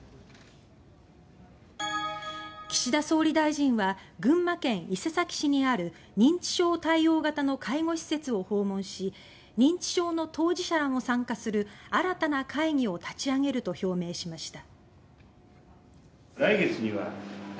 岸田総理大臣は群馬県伊勢崎市にある認知症対応型の介護施設を訪問し認知症の当事者らも参加する新たな会議を立ち上げると表明しました。